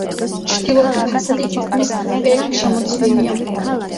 ჩრდილოეთი ფასადი თითქმის პერანგშემოცლილია.